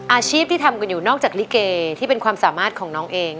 อาชีพที่ทำกันอยู่นอกจากลิเกที่เป็นความสามารถของน้องเอง